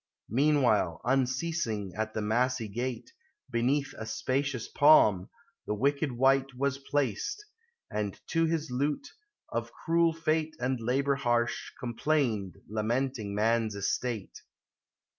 Meanwhile, unceasing at the massy gate, Beneath a spacious palm, the wicked wight Was placed ; and to his lute, of cruel fate And labor harsh, complained, lamenting man's estate.